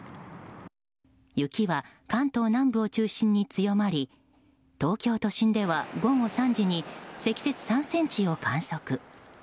雪は関東南部を中心に強まり東京都心では午後３時に積雪３ｃｍを観測。